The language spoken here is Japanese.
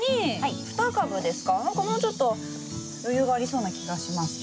何かもうちょっと余裕がありそうな気がしますけど。